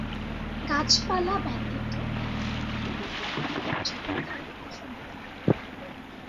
গাছপালা ব্যতীত এই পৃথিবীতে আমাদের জীবনধারণ অসম্ভব।